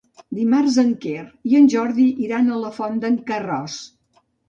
Dimarts en Quer i en Jordi iran a la Font d'en Carròs.